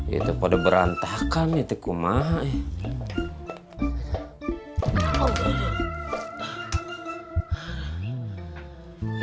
itu pada berantakan itu ku mahal